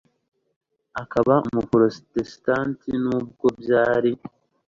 akaba umuporotesitanti nubwo byari